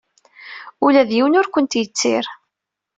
Ula d yiwen ur kent-yettir.